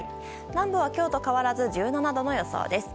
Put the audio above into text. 南部は今日と変わらず１７度の予想です。